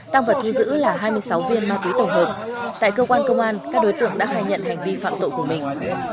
tăng vật thu giữ là hai mươi sáu viên ma túy tổng hợp tại cơ quan công an các đối tượng đã khai nhận hành vi phạm tội của mình